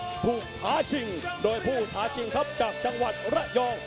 ยะโสธรผู้ท้าจริงโดยผู้ท้าจริงครับจากจังหวัดรักยอง